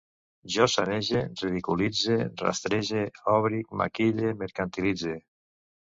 Jo sanege, ridiculitze, rastrege, òbric, maquille, mercantilitze